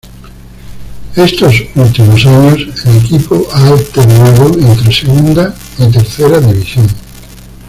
Estos últimos años, el equipo ha alternado entre segunda y tercera división.